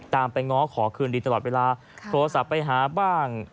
ไปง้อขอคืนดีตลอดเวลาโทรศัพท์ไปหาบ้าง